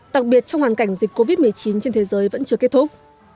đặc biệt trong hoàn cảnh dịch covid một mươi chín trên thế giới vẫn chưa kết thúc